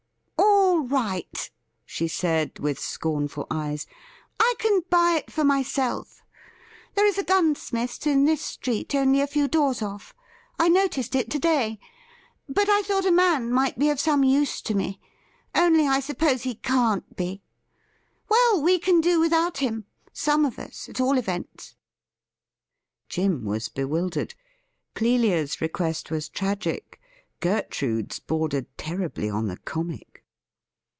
' All right,' she said, with scornful eyes ;' I can buy it for myself. There is a gunsmith's in this street, only a few doors off. I noticed it to day. But I thought a man might be of some use to one — only, I suppose, he can't be. Well, we can do without him — some of us, at all events.' Jim was bewildered. Clelia's request was tragic ; Gertrude's bordered terribly on the comic.